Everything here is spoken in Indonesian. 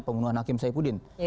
pemunuhan hakim saipudin